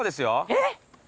えっ！